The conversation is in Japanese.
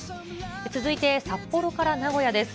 続いて札幌から名古屋です。